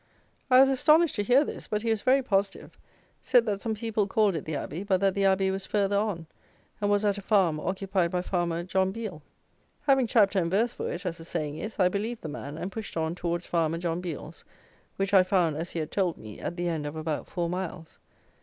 I was astonished to hear this; but he was very positive; said that some people called it the Abbey; but that the Abbey was further on; and was at a farm occupied by farmer John Biel. Having chapter and verse for it, as the saying is, I believed the man; and pushed on towards farmer John Biel's, which I found, as he had told me, at the end of about four miles.